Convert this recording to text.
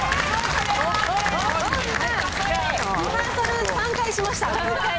リハーサル、３回しました。